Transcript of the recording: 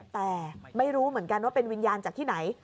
แต่ไม่รู้เหมือนกันว่าเป็นวิญญาณจากที่ไหน